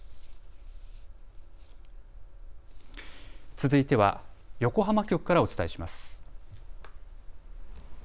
続いては横浜局からお伝えします。